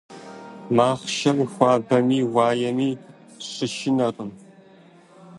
Махъшэр хуабэми уаеми щышынэркъым.